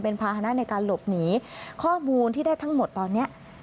เป็นภาษณะในการหลบหนีข้อมูลที่ได้ทั้งหมดตอนนี้